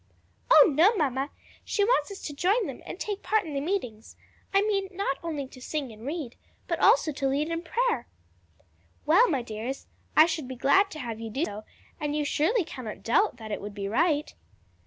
"Oh no, mamma! she wants us to join them and take part in the meetings I mean not only to sing and read, but also to lead in prayer." "Well, my dears, I should be glad to have you do so; and you surely cannot doubt that it would be right?"